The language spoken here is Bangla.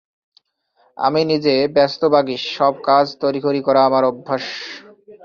আমি নিজে ব্যস্তবাগীশ, সব কাজ তড়িঘড়ি করা আমার অভ্যাস।